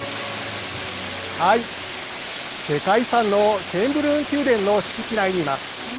世界遺産のシェーンブルン宮殿の敷地内にいます。